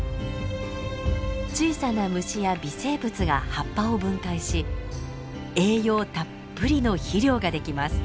小さな虫や微生物が葉っぱを分解し栄養たっぷりの肥料ができます。